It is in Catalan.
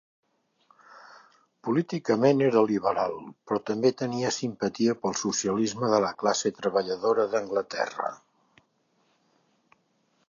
Políticament era liberal, però també tenia simpatia pel socialisme de la classe treballadora d'Anglaterra.